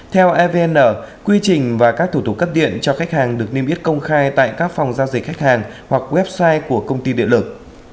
theo evn quy trình và các thủ tục cắt điện cho khách hàng được niêm yết công khai tại các phòng giao dịch khách hàng hoặc website của công ty điện lực